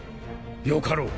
よかろう。